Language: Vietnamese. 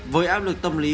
với áp lực tâm lý